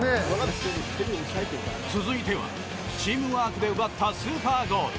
続いてはチームワークで奪ったスーパーゴール。